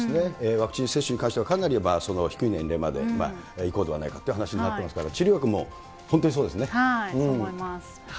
ワクチン接種に関しては、かなり低い年齢まで、いこうではないかという話になってますから、治療薬も本当にそうですね。と思います。